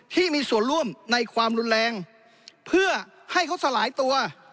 ที่มีส่วนร่วมในความรุนแรงเพื่อให้เขาสลายตัว